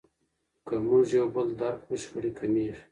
که موږ یو بل درک کړو شخړې کمیږي.